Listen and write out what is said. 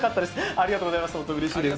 ありがとうございます。